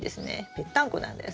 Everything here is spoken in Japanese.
ぺったんこなんです。